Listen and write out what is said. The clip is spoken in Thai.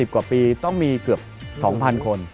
กว่าปีต้องมีเกือบ๒๐๐คน